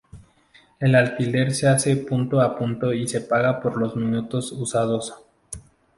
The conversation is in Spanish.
El alquiler se hace punto a punto y se paga por los minutos usados.